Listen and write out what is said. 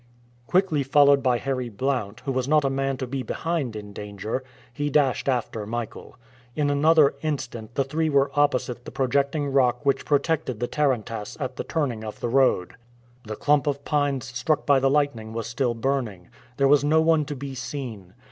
Quickly followed by Harry Blount, who was not a man to be behind in danger, he dashed after Michael. In another instant the three were opposite the projecting rock which protected the tarantass at the turning of the road. The clump of pines struck by the lightning was still burning. There was no one to be seen.